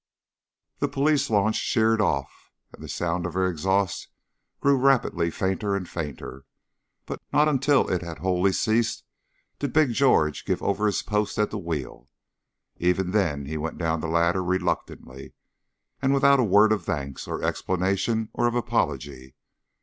The police launch sheered off, and the sound of her exhaust grew rapidly fainter and fainter. But not until it had wholly ceased did Big George give over his post at the wheel. Even then he went down the ladder reluctantly, and without a word of thanks, of explanation, or of apology.